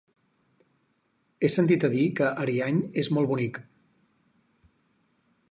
He sentit a dir que Ariany és molt bonic.